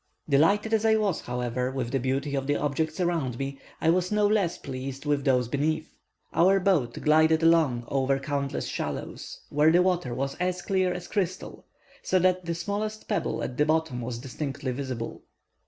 Delighted as I was, however, with the beauty of the objects around me, I was no less pleased with those beneath. Our boat glided along over countless shallows, where the water was as clear as crystal, so that the smallest pebble at the bottom was distinctly visible.